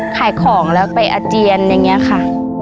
ขายของแล้วไปอาเจียนอย่างนี้ค่ะ